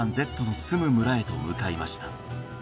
Ｚの住む村へと向かいました